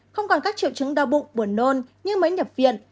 không còn các triệu chứng đau bụng buồn nôn như mới nhập viện